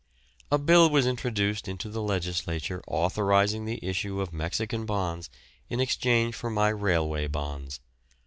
A bill was introduced into the Legislature authorising the issue of Mexican bonds in exchange for my railway bonds.